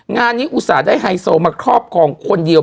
งานนี้อุตส่าห์ได้ไฮโซมาครอบครองคนเดียว